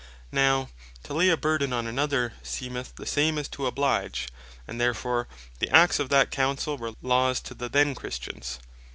Now "to lay a burthen on another," seemeth the same that "to oblige;" and therefore the Acts of that Councell were Laws to the then Christians.